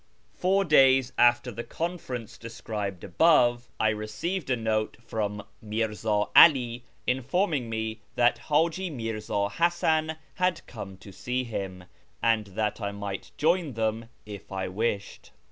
Four days after the conference described above, I received a note from Mirza 'Ali informing me that Haji Mirz;i Hasan had come to see him, and that I might join them if I wished.